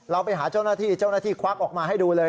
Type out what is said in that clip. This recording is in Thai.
เราไปหาเจ้าหน้าที่เจ้าหน้าที่ควักออกมาให้ดูเลย